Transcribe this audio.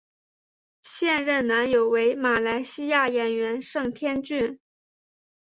现任男友为马来西亚演员盛天俊。